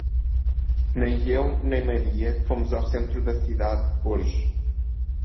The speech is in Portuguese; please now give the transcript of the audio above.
Nem eu nem Maria fomos ao centro da cidade hoje.